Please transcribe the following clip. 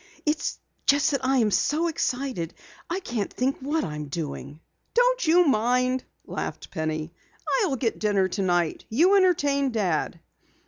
It's just that I am so excited I can't think what I am doing." "Don't you mind," laughed Penny. "I'll get dinner tonight. You entertain Dad."